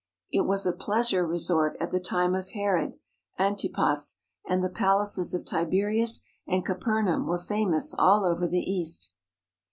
It was a pleasure resort at the time of Herod Antipas, and the palaces of Tiberias and Capernaum were famous all over the East.